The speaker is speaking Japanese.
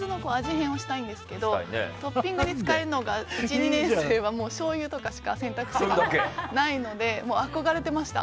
変をしたいんですけどトッピングで使えるのが１、２年生はしょうゆとかしか選択肢がないので憧れてました。